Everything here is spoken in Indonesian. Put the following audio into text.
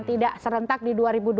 tidak serentak di dua ribu dua puluh